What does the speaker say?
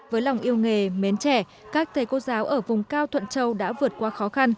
với lòng yêu nghề mến trẻ các thầy cô giáo ở vùng cao thuận châu đã vượt qua khó khăn